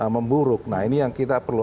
memburuk nah ini yang kita perlu